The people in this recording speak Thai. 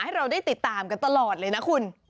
ให้เราได้ติดตามกันตลอดเลยนะคุณ